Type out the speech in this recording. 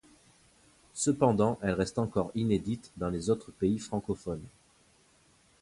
Cependant elle reste encore inédite dans les autres pays francophones.